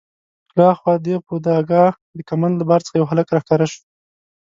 له ها خوا د پودګا د کمند له بار څخه یو هلک راښکاره شو.